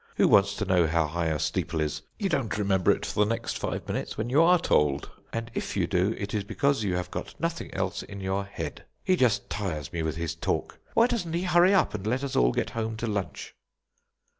Who wants to know how high a steeple is? You don't remember it the next five minutes when you are told, and if you do it is because you have got nothing else in your head. He just tires me with his talk. Why doesn't he hurry up, and let us all get home to lunch?"